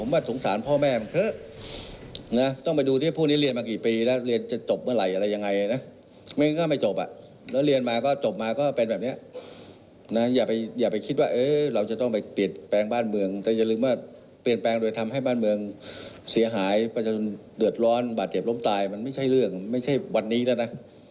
บาดเจ็บล้มตายมันไม่ใช่เรื่องไม่ใช่วันนี้แล้วนะ